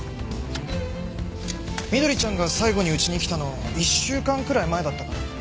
翠ちゃんが最後にうちに来たの１週間くらい前だったかな。